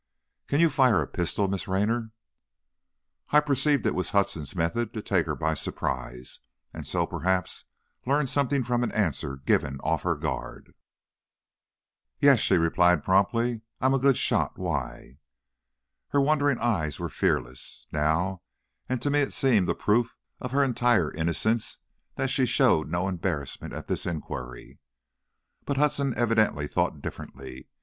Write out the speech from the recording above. "Can you fire a pistol, Miss Raynor?" I perceived it was Hudson's method to take her by surprise, and so, perhaps, learn something from an answer given off her guard. "Yes," she replied, promptly, "I am a good shot; why?" Her wondering eyes were fearless, now, and to me it seemed a proof of her entire innocence that she showed no embarrassment at this inquiry. But Hudson evidently thought differently.